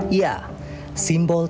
iya simbol teh